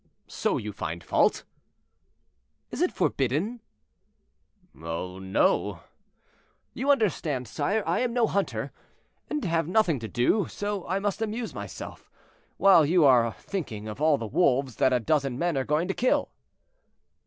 "So you find fault?" "Is it forbidden?" "Oh no." "You understand, sire, I am no hunter, and have nothing to do, so I must amuse myself, while you are thinking of all the wolves that a dozen men are going to kill."